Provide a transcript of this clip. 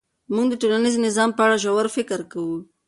موږ د ټولنیز نظام په اړه ژور فکر کوو.